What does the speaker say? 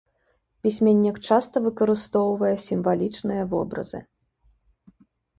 Пісьменнік часта выкарыстоўвае сімвалічныя вобразы.